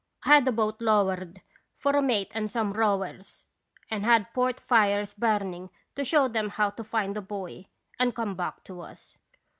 I had a boat lowered for a mate and some rowers, and had port fires burning to show them how to find the boy and come back to us.